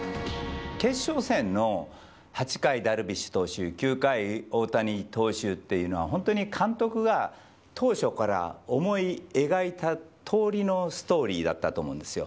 決勝戦の８回、ダルビッシュ投手、９回、大谷投手っていうのは、本当に監督が当初から思い描いたとおりのストーリーだったと思うんですよ。